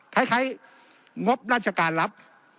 คล้ายงบราชการรับ